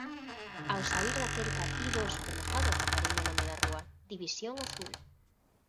Ao saír daquel cativo supermercado reparei no nome da rúa: División Azul.